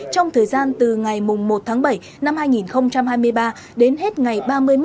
trong thời gian từ ngày một bảy hai nghìn hai mươi ba đến hết ngày ba mươi một một mươi hai hai nghìn hai mươi ba